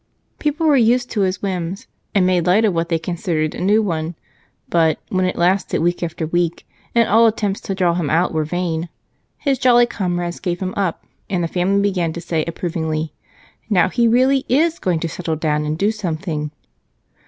People were used to his whims and made light of what they considered a new one, but when it lasted week after week and all attempts to draw him out were vain, his jolly comrades gave him up and the family began to say approvingly, "Now he really is going to settle down and do something."